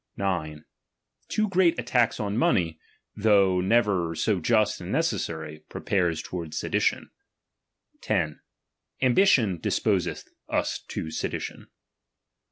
9. Too great a tax of money, though Qever so just and necessary, prepares toward sedition. 10. Am bition disposethus to sedition.